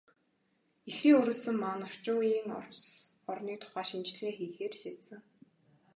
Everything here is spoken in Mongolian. Ихрийн өрөөсөн маань орчин үеийн Орос орны тухай шинжилгээ хийхээр шийдсэн.